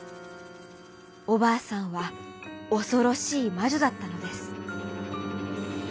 おばあさんはおそろしいまじょだったのです。